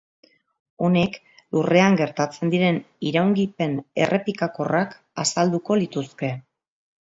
Honek Lurrean gertatzen diren iraungipen errepikakorrak azalduko lituzke.